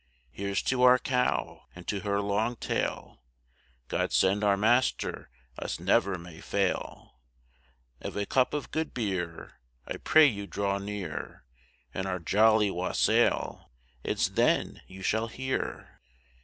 Here's to our cow, and to her long tail, God send our master us never may fail Of a cup of good beer: I pray you draw near, And our jolly wassail it's then you shall hear.